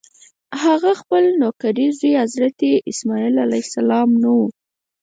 هغه خپل نوکرې زوی حضرت اسماعیل علیه السلام نه و.